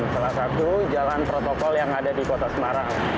salah satu jalan protokol yang ada di kota semarang